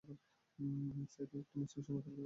সাঈদ একটি মুসলিম সম্ভ্রান্ত পরিবারে জন্মগ্রহণ করেন।